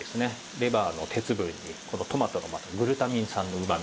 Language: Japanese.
レバーの鉄分にこのトマトのグルタミン酸のうまみ。